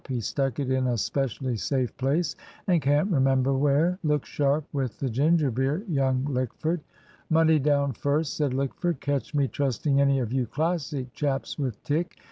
He stuck it in a specially safe place, and can't remember where. Look sharp with the ginger beer, young Lickford." "Money down first," said Lickford. "Catch me trusting any of you Classic chaps with tick!